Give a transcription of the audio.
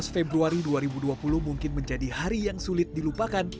dua belas februari dua ribu dua puluh mungkin menjadi hari yang sulit dilupakan